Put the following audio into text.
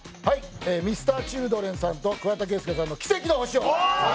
Ｍｒ．Ｃｈｉｌｄｒｅｎさんと桑田佳祐さんの「奇跡の地球」を。